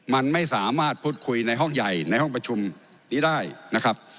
มันไม่สามารถพูดคุยในห้องใหญ่ในห้องประชุมนี้ได้นะครับ